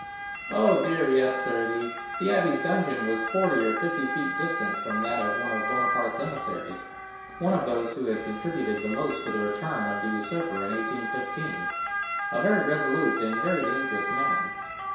"Oh dear, yes, sir; the abbé's dungeon was forty or fifty feet distant from that of one of Bonaparte's emissaries,—one of those who had contributed the most to the return of the usurper in 1815, a very resolute and very dangerous man."